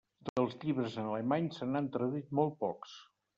Dels llibres en alemany se n'han traduït molt pocs.